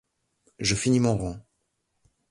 Je finis mon rang !